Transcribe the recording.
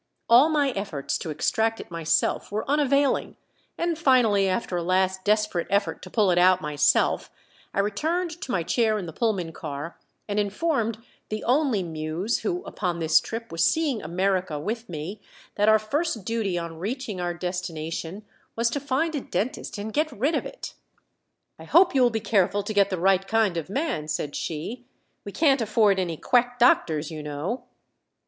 All my efforts to extract it myself were unavailing, and finally after a last desperate effort to pull it out myself I returned to my chair in the Pullman car and informed the Only Muse who upon this trip was Seeing America with me that our first duty on reaching our destination was to find a dentist and get rid of it. [Illustration: "I'm an Ohio man, and I'll cash the check for you on your looks."] "I hope you will be careful to get the right kind of a man," said she. "We can't afford any quack doctors, you know."